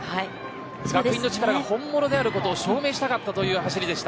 学院の力が本物であることを証明したかったという走りでした。